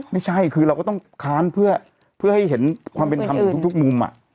ไม่ใช่คือเราก็ต้องค้านเพื่อให้เห็นความเป็นธรรมกับทุกมุม